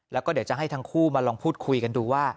แล้วก็เดี๋ยวจะให้ทั้งคู่มาลองพูดคุยกันดูว่า